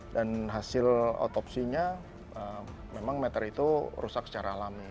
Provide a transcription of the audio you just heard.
hasil otopsinya memang meter itu rusak secara alami